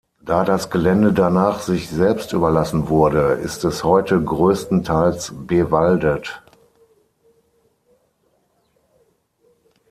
Da das Gelände danach sich selbst überlassen wurde, ist es heute größtenteils bewaldet.